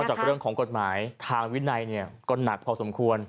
จากเรื่องของกฎหมายทางวินัยก็หนักพอสมควร